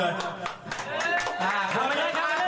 มาเริ่มกันเลย